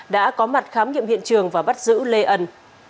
đã có mặt khám nghiệm hiện trường và bắt giữ lê ân